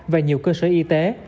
và nhiều cơ sở y tế